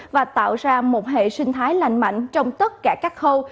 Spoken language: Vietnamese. và tạo ra một hệ sinh thái lành mạnh trong tất cả các khâu